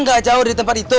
gak jauh di tempat itu